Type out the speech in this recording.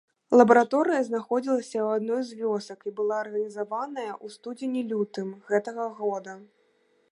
Лабараторыя знаходзілася ў адной з вёсак і была арганізаваная ў студзені-лютым гэтага года.